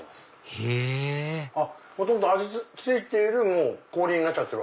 へぇほとんど味付いてる氷になっちゃってる。